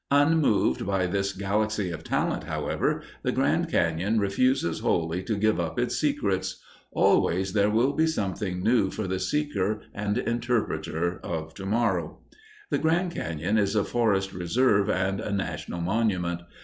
Unmoved by this galaxy of talent, however, the Grand Cañon refuses wholly to give up its secrets. Always there will be something new for the seeker and interpreter of to morrow. The Grand Cañon is a forest reserve and a national monument.